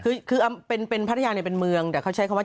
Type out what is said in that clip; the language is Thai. คือคือเป็นพัทยาเนี่ยเป็นเมืองแต่เขาใช้คำว่า